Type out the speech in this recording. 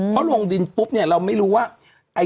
เพราะลงดินปุ๊บเนี่ยเราไม่รู้ว่า